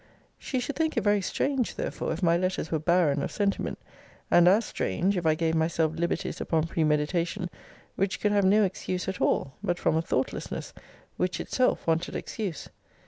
She should think it very strange therefore, if my letters were barren of sentiment; and as strange, if I gave myself liberties upon premeditation, which could have no excuse at all, but from a thoughtlessness, which itself wanted excuse.